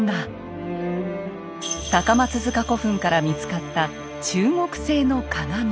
高松塚古墳から見つかった中国製の鏡。